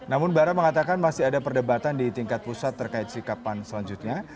namun bara mengatakan masih ada perdebatan di tingkat pusat terkait sikapan selanjutnya